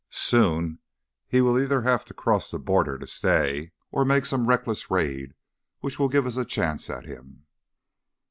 Soon he will either have to cross the border to stay or make some reckless raid which will give us a chance at him."